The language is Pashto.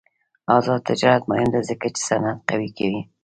آزاد تجارت مهم دی ځکه چې صنعت قوي کوي.